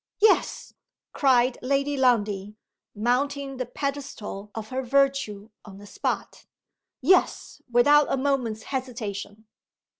"Yes!" cried Lady Lundie, mounting the pedestal of her virtue on the spot. "Yes without a moment's hesitation!"